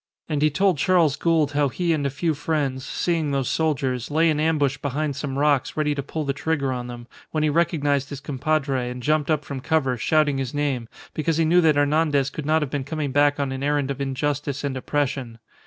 And he told Charles Gould how he and a few friends, seeing those soldiers, lay in ambush behind some rocks ready to pull the trigger on them, when he recognized his compadre and jumped up from cover, shouting his name, because he knew that Hernandez could not have been coming back on an errand of injustice and oppression.